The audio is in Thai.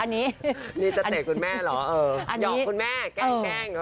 นี่จะเตะคุณแม่เหรอหยอกคุณแม่แกล้ง